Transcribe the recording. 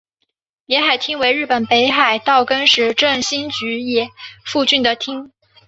别海町为日本北海道根室振兴局野付郡的町。